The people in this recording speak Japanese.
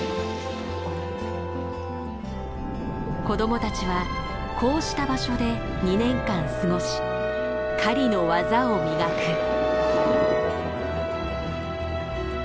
子供たちはこうした場所で２年間過ごし狩りの技を磨く。